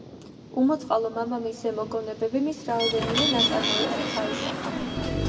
უმოწყალო მამამისზე მოგონებები მის რაოდენიმე ნაწარმოებშიც აისახა.